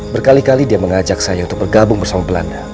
berkali kali dia mengajak saya untuk bergabung bersama belanda